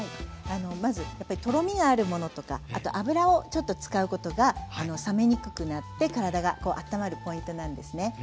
まずやっぱりとろみがあるものとかあと油をちょっと使うことが冷めにくくなって体があったまるポイントなんですね。